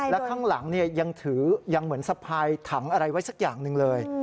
และข้างหลังยังถือยังเหมือนสะพายถังอะไรไว้สักอย่างหนึ่งเลย